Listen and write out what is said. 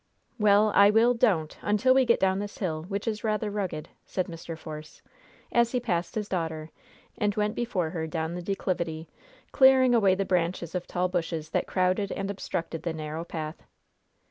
"Well, I will 'don't,' until we get down this hill, which is rather rugged!" said Mr. Force, as he passed his daughter, and went before her down the declivity, clearing away the branches of tall bushes that crowded and obstructed the narrow path.